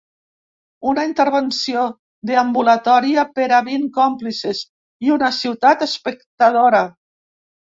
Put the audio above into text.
Una intervenció deambulatòria per a vint còmplices i una ciutat espectadora.